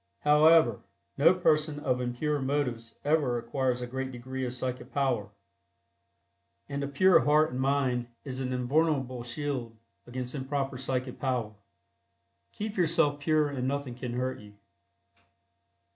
However, no person of impure motives ever acquires a great degree of psychic power, and a pure heart and mind is an invulnerable shield against improper psychic power. Keep yourself pure and nothing can hurt you.